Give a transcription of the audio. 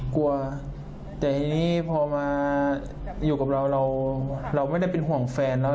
กลัวแต่ทีนี้พอมาอยู่กับเราเราไม่ได้เป็นห่วงแฟนแล้ว